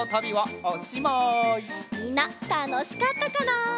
みんなたのしかったかな？